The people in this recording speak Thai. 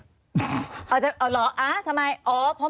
อ๋อเหรอทำไมอ๋อเพราะมีคำรู้ใช่ไหม